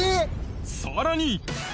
さらに！